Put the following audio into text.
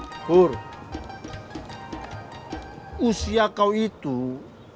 usia kau itu sudah pantas untuk nikah kau pikirkan itulah